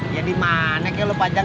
ya dimana kek lu pajang